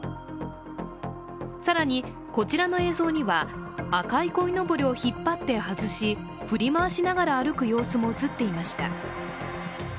更に、こちらの映像には赤いこいのぼりを引っ張って外し振り回しながら歩く様子も映っていました。